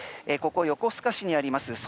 ここ横須賀市にあります